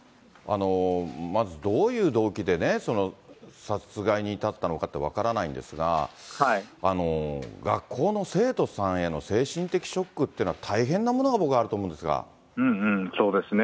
まず、どういう動機で、その殺害に至ったのかって分からないんですが、学校の生徒さんへの精神的ショックっていうのは、大変なものが、うんうん、そうですね。